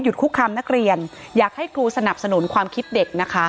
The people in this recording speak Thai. คุกคามนักเรียนอยากให้ครูสนับสนุนความคิดเด็กนะคะ